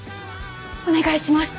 お願いします。